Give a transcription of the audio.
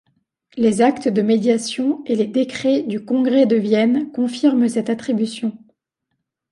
Les actes de médiation et les décrets du congrès de Vienne confirment cette attribution.